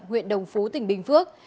huyện đồng phú tỉnh bình phước